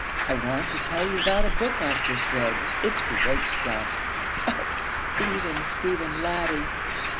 'I want to tell you about a book I've just read. It's great stuff.' 'O Stephen, Stephen, laddie!'